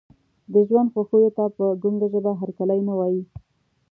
د ژوند خوښیو ته په ګونګه ژبه هرکلی نه وایي.